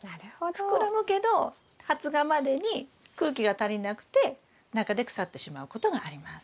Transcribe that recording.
膨らむけど発芽までに空気が足りなくて中で腐ってしまうことがあります。